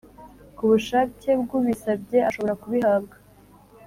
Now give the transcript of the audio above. Ku bushake bwubisabye ashobora kubihabwa